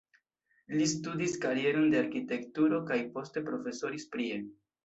Li studis karieron de arkitekturo kaj poste profesoris prie.